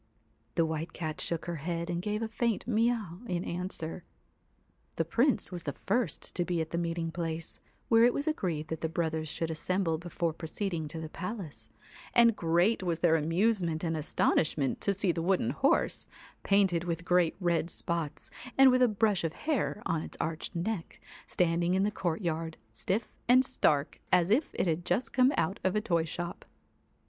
The White Cat shook her head and gave a faint mee aw in answer. The Prince was the first to be at the meeting place, where it was agreed that the brothers should assemble before proceeding to the palace, and great was their amusement and astonishment to see the wooden horse, painted with great red spots, and with a brush of hair on its arched neck, standing in the courtyard, stiff and stark as if it had just come out of a toy shop.